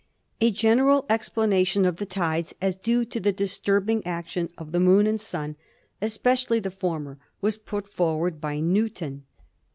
A general explanation of the tides as due to the disturb ing action of the Moon and Sun, especially the former, was put forward by Newton.